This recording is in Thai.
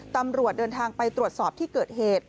ตำรวจเดินทางไปตรวจสอบที่เกิดเหตุ